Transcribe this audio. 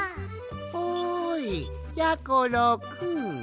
おいやころくん。